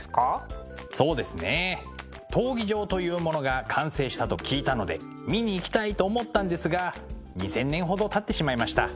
そうですね闘技場というものが完成したと聞いたので見に行きたいと思ったんですが２，０００年ほどたってしまいました。